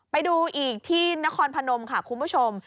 ไปดูอีกที่นครพนมค่ะคุณผู้ชม